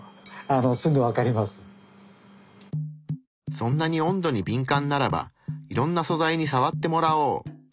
そんなに温度にびん感ならばいろんな素材にさわってもらおう。